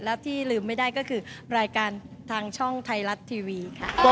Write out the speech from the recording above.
แล้วที่ลืมไม่ได้ก็คือรายการทางช่องไทยรัฐทีวีค่ะ